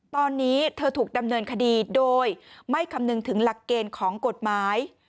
ตอนนี้เธอถูกดำเนินคดีโดยไม่คำนึงถึงหลักเกณฑ์ของกฎหมาย